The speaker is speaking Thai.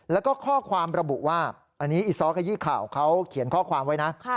แล้วก็ข้อความระบุว่าอันนี้อีซ้อขยี้ข่าวเขาเขียนข้อความไว้นะ